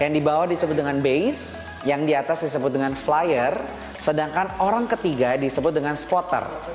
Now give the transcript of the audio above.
yang dibawah disebut dengan base yang di atas disebut dengan flyer sedangkan orang ketiga disebut dengan spotter